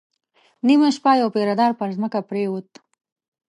نيمه شپه يو پيره دار پر ځمکه پرېووت.